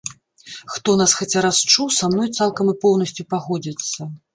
Хто нас хаця раз чуў, са мной цалкам і поўнасцю пагодзіцца.